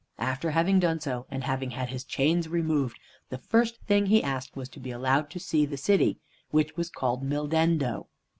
After having done so, and having had his chains removed, the first thing he asked was to be allowed to see the city (which was called Mildendo).